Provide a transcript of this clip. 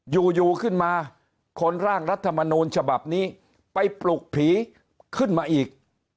อยู่อยู่ขึ้นมาคนร่างรัฐมนูลฉบับนี้ไปปลุกผีขึ้นมาอีก